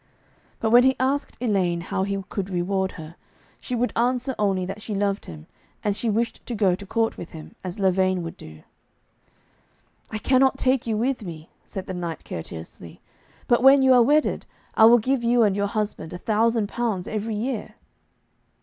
But when he asked Elaine how he could reward her, she would answer only that she loved him, and wished to go to court with him, as Lavaine would do. 'I cannot take you with me,' said the knight courteously; 'but when you are wedded, I will give you and your husband a thousand pounds every year.'